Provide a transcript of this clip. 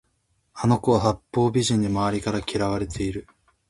あの子は八方美人で周りから嫌われている